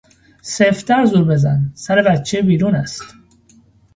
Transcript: سفت تر زوربزن; سربچه بیرون است!